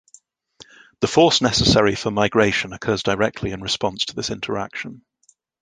The force necessary for migration occurs directly in response to this interaction.